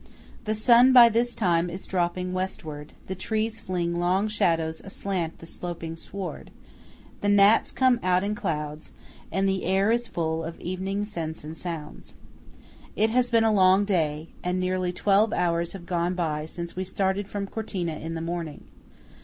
The sun by this time is dropping westward; the trees fling long shadows aslant the sloping sward; the gnats come out in clouds; and the air is full of evening scents and sounds. It has been a long day, and nearly twelve hours have gone by since we started from Cortina in the morning.